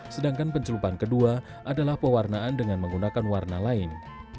sedangkan pencelupan kedua adalah pewarnaan dengan menggunakan warna lain